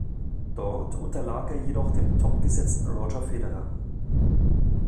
Dort unterlag er jedoch dem topgesetzten Roger Federer.